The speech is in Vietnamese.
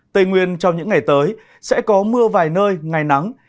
tây nguyên trong những ngày tới sẽ có mưa vài nơi ngày nắng